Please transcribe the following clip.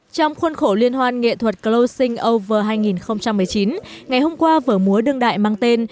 trong khuôn khổ liên hoan nghệ thuật closing over hai nghìn một mươi chín ngày hôm qua vở múa đương đại mang tên